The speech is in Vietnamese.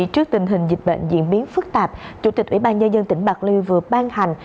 trước tình hình dịch bệnh diễn biến phức tạp chủ tịch ủy ban nhân dân tỉnh bạc liêu vừa ban hành